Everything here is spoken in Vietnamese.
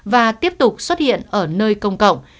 và tiếp tục xuất hiện ở nơi công cộng